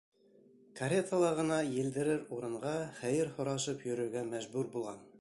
Каретала ғына елдерер урынға хәйер һорашып йөрөргә мәжбүр булам!